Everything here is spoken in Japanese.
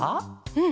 うん。